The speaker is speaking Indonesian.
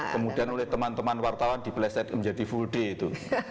kemudian oleh teman teman wartawan dipleset menjadi full day itu